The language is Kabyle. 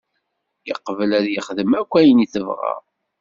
Yeqbel ad yexdem akk ayen tebɣa.